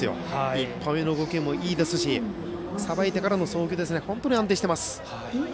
１歩目の動きもいいしさばいてからの動きも本当に安定しています。